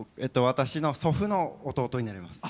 私の祖父の弟になります。